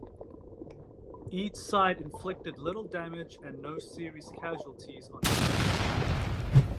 Each side inflicted little damage and no serious casualties on the other.